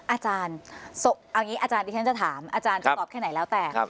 อาจารย์เอาอย่างนี้อาจารย์ดิฉันจะถามอาจารย์จะตอบแค่ไหนแล้วแต่